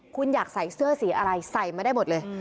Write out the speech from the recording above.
คุณอยากใส่เสื้อสีอะไรใส่มาได้หมดเลย